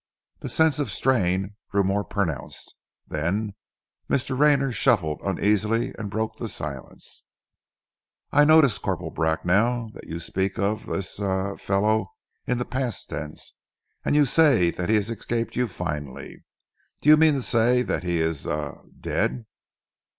The sense of strain grew more pronounced, then Mr. Rayner shuffled uneasily and broke the silence. "I notice, Corporal Bracknell, that you speak of this er fellow in the past tense, and you say that he has escaped you finally. Do you mean to say that he is a dead?"